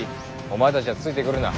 お前たちはついてくるな。